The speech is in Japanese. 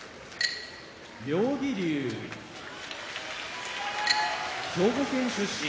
妙義龍兵庫県出身